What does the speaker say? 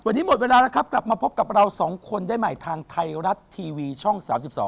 วันนี้หมดเวลาแล้วครับกลับมาพบกับเราสองคนได้ใหม่ทางไทยรัฐทีวีช่อง๓๒